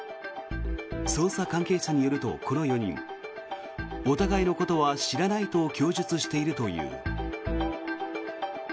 捜査関係者によると、この４人お互いのことは知らないと供述しているという。